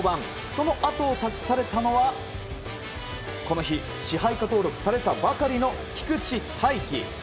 そのあとを託されたのはこの日支配下登録されたばかりの菊地大稀。